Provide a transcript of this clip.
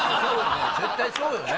絶対そうよね